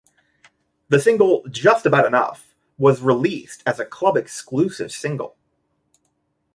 The single "Just About Enough" was released as a club-exclusive single.